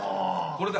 これだ。